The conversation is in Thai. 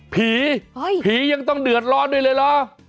ผีผียังต้องเดือดร้อนด้วยเลยเหรอ